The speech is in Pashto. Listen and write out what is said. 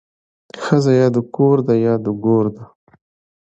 ښځه يا د کور ده يا د ګور ده